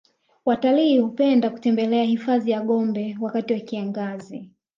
watalii hupenda kutembelea hifadhi ya gombe wakati wa kiangazi